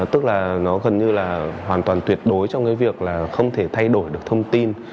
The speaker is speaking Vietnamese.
tức là nó gần như là hoàn toàn tuyệt đối trong cái việc là không thể thay đổi được thông tin